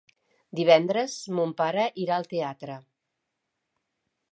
Divendres mon pare irà al teatre.